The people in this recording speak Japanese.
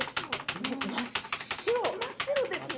真っ白ですね。